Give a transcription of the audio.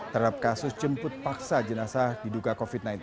terhadap kasus jemput paksa jenazah diduga covid sembilan belas